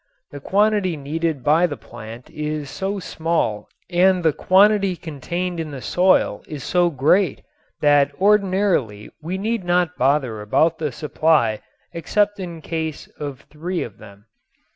The quantity needed by the plant is so small and the quantity contained in the soil is so great that ordinarily we need not bother about the supply except in case of three of them.